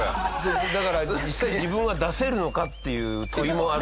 だから実際自分は出せるのかっていう問いもある。